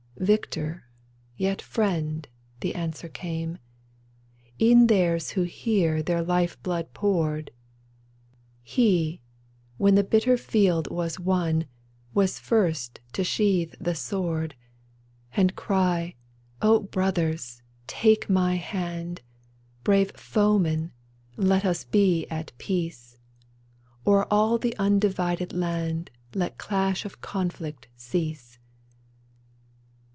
*' Victor, yet friend," the answer came, " Even theirs who here their life blood poured ! He, when the bitter field was won. Was first to sheathe the sword, " And cry :' O brothers, take my hand — Brave foemen, let us be at peace ! O'er all the undivided land Let clash of conflict cease